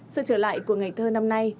sự trở lại của ngày thơ năm nay